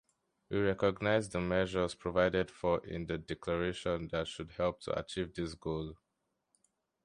We recognize the measures provided for in the Declaration that should help to achieve this goal.